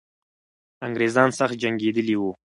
انګریزان سخت جنګېدلي وو.